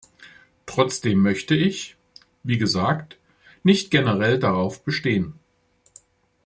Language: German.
Trotzdem möchte ich, wie gesagt, nicht generell darauf bestehen.